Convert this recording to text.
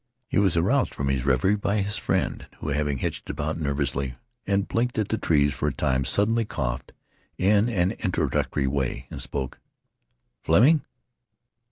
He was aroused from this reverie by his friend, who, having hitched about nervously and blinked at the trees for a time, suddenly coughed in an introductory way, and spoke. "Fleming!"